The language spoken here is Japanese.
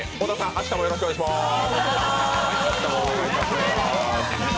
明日もよろしくお願いします！